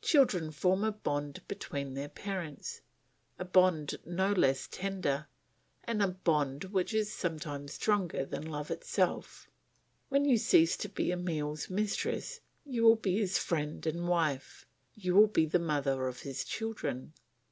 Children form a bond between their parents, a bond no less tender and a bond which is sometimes stronger than love itself. When you cease to be Emile's mistress you will be his friend and wife; you will be the mother of his children.